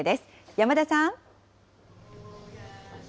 山田さん。